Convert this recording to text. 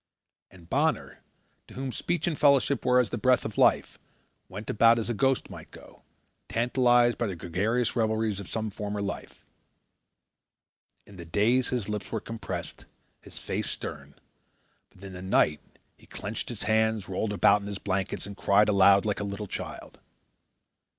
And Bonner, to whom speech and fellowship were as the breath of life, went about as a ghost might go, tantalized by the gregarious revelries of some former life. In the day his lips were compressed, his face stern; but in the night he clenched his hands, rolled about in his blankets, and cried aloud like a little child.